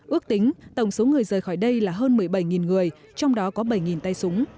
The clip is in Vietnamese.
ước tính tổng số người rời khỏi đây là hơn một mươi bảy người trong đó có bảy tay súng